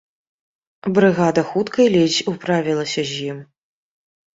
Брыгада хуткай ледзь управілася з ім.